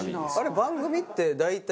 番組って大体。